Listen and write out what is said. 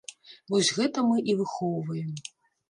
Вось гэта мы і выхоўваем.